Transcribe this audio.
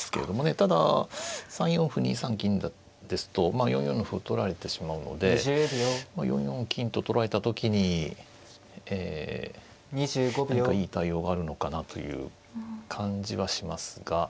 ただ３四歩２三金ですと４四の歩を取られてしまうので４四金と取られた時に何かいい対応があるのかなという感じはしますが。